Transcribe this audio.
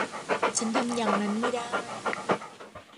ฉันทำอย่างนั้นไม่ได้